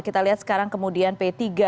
kita lihat sekarang kemudian p tiga